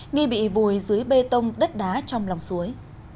nghi bị vùi dưới bê tông đất đá trong lòng suối